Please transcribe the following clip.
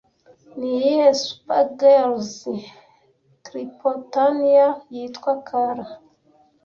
Niyihe Supergirls Kryptonian yitwa Kara